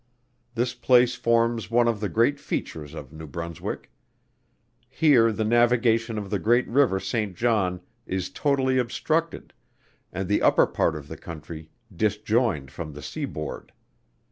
This place forms one of the great features of New Brunswick. Here the navigation of the great river St. John is totally obstructed, and the upper part of the country disjoined from the seaboard.